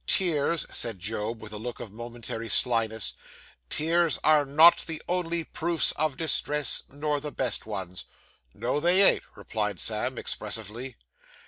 Tears,' said Job, with a look of momentary slyness 'tears are not the only proofs of distress, nor the best ones.' 'No, they ain't,' replied Sam expressively.